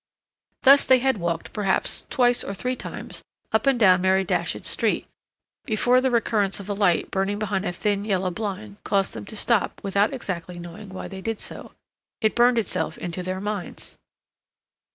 Thus they had walked, perhaps, twice or three times up and down Mary Datchet's street before the recurrence of a light burning behind a thin, yellow blind caused them to stop without exactly knowing why they did so. It burned itself into their minds.